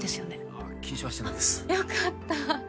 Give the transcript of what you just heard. あっ禁止はしてないですよかった